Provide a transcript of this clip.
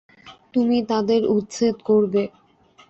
তুমি তাদের উচ্ছেদ করবে।